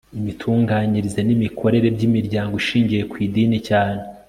imitunganyirize n imikorere by imiryango ishingiye ku idini cyane